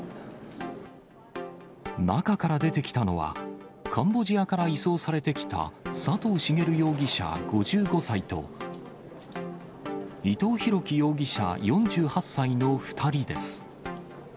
中から出てきたのは、カンボジアから移送されてきた佐藤茂容疑者５５歳と、伊藤宏樹容疑者４８歳の２人です。